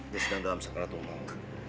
dia sedang dalam sakranat umat